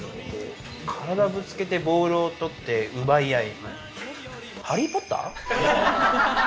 体ぶつけてボールを取って奪い合い。